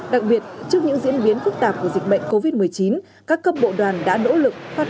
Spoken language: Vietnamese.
đặc biệt trước những diễn biến phức tạp của dịch bệnh covid một mươi chín các cấp bộ đoàn đã nỗ lực phát